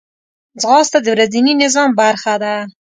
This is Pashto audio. ځغاسته د ورځني نظام برخه ده